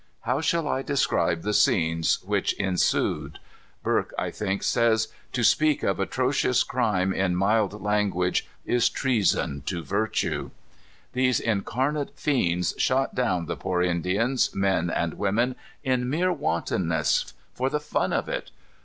How shall I describe the scenes which ensued? Burke, I think, says, "to speak of atrocious crime in mild language is treason to virtue." These incarnate fiends shot down the poor Indians, men and women, in mere wantonness for the fun of it.